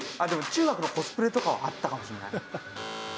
中学のコスプレとかはあったかもしれない。